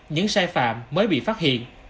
những sai phạm mới bị phát hiện